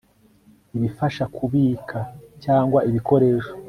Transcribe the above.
ibifasha kubika cyangwa ibikoresho